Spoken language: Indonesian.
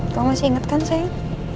kamu masih inget kan sayang